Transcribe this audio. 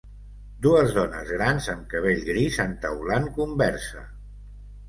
Dues dones grans amb cabell gris entaulant conversa.